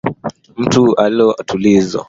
Mtu ni alo tulizo, asopenda utukutu